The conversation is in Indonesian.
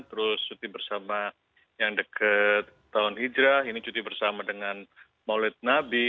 terus cuti bersama yang deket tahun hijrah ini cuti bersama dengan maulid nabi